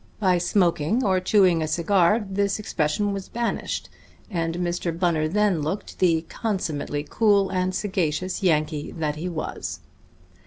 By smoking or chewing a cigar this expression was banished, and Mr. Bunner then looked the consummately cool and sagacious Yankee that he was.